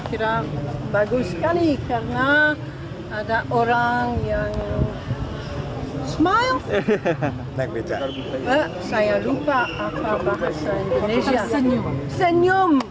kira bagus sekali karena ada orang yang